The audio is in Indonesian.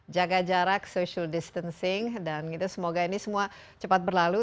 jaga jarak social distancing dan semoga ini semua cepat berlalu